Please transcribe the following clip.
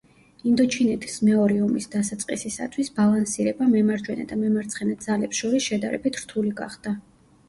ინდოჩინეთის მეორე ომის დასაწყისისათვის ბალანსირება მემარჯვენე და მემარცხენე ძალებს შორის შედარებით რთული გახდა.